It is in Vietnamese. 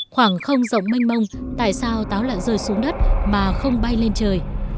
khoảng không rộng mênh mông tại sao táo lại rơi xuống đất mà không bay lên trời